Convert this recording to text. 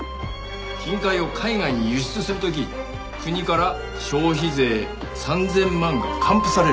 金塊を海外に輸出する時国から消費税３０００万が還付される。